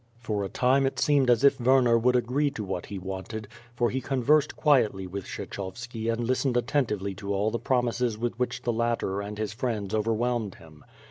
P^or a time it seemed as if Werner would agree to what he wanted, for he conversed quietly with Kshechovski and list ened attentively to all the promises with which the latter and his friends overwhelmed him.